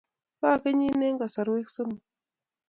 Kakenyin eng kasarwek somok